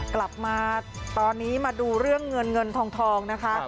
กลับมาตอนนี้มาดูเรื่องเงินเงินทองนะคะ